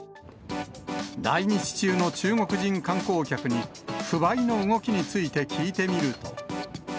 来日中の中国人観光客に、不買の動きについて聞いてみると。